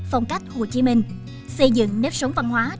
phong cách hồ chí minh xây dựng nếp sống văn hóa